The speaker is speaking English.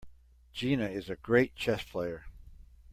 Gina is a great chess player.